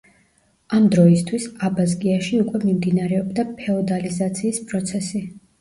ამ დროისთვის აბაზგიაში უკვე მიმდინარეობდა ფეოდალიზაციის პროცესი.